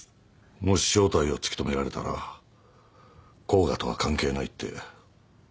もし正体を突き止められたら甲賀とは関係ないって蛍を見捨てるだろう。